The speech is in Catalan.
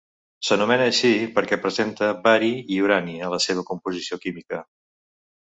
S'anomena així perquè presenta bari i urani a la seva composició química.